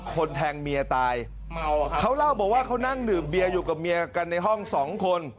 คนแทงเมียตายเขาเล่าบอกว่าเขานั่งดื่มเบียอยู่กับเมียกันในห้องสองคน